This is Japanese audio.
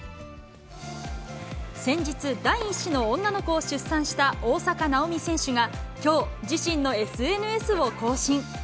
先日、第１子の女の子を出産した大坂なおみ選手がきょう、自身のＳＮＳを更新。